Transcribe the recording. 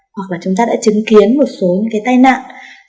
hoặc là chúng ta đã chứng kiến một số những cái tai nạn